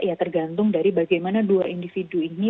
ya tergantung dari bagaimana dua individu ini